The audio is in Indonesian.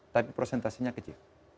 tapi prosentasinya kecil